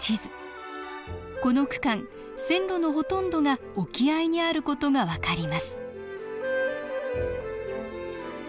この区間線路のほとんどが沖合にある事が分かります